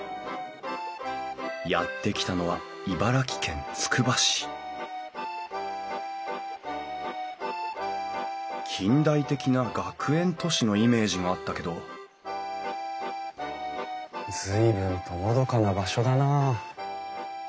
やって来たのは茨城県つくば市近代的な学園都市のイメージがあったけど随分とのどかな場所だなあ。